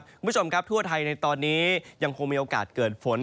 คุณผู้ชมครับทั่วไทยในตอนนี้ยังคงมีโอกาสเกิดฝน